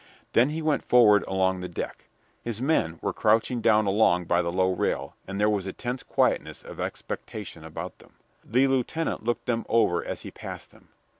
Then he went forward along the deck. His men were crouching down along by the low rail, and there was a tense quietness of expectation about them. The lieutenant looked them over as he passed them.